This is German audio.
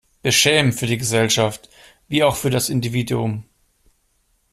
Beschämend für die Gesellschaft, wie auch für das Individuum.